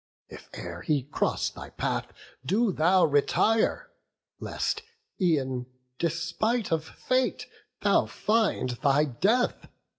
If e'er he cross thy path, do thou retire, Lest, e'en despite of fate, thou find thy death.